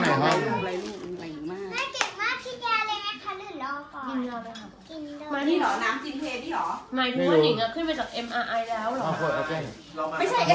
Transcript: แล้วป๊อปมาตอนไหน